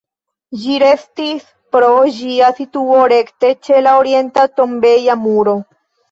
Ĝi restis pro ĝia situo rekte ĉe la orienta tombeja muro.